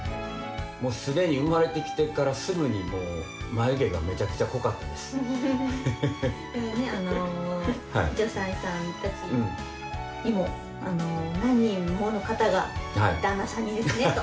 もうすでに生まれてきてから、すぐにもう、眉毛がめちゃくちゃ濃かったです。